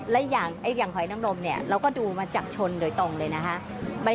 และอย่างหอยน้ำนมเนี่ยเราก็ดูมาจากชนโดยตรงเลยนะคะ